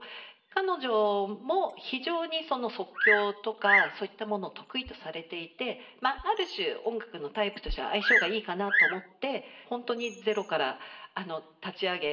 彼女も非常に即興とかそういったものを得意とされていてある種音楽のタイプとしては相性がいいかなと思って本当にゼロから立ち上げ